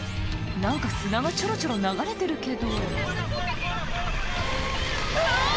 何か砂がちょろちょろ流れてるけどうわ！